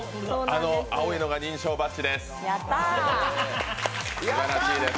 あの青いのが認証バッチです。